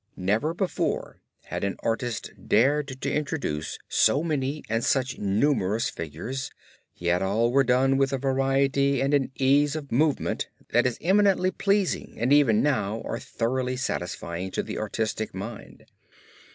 Never before had an artist dared to introduce so many and such numerous figures, yet all were done with a variety and an ease of movement that is eminently pleasing and even now are thoroughly satisfying to the artistic mind.